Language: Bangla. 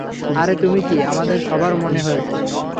আরে তুমি কী, আমাদের সবার মনে হয়েছে।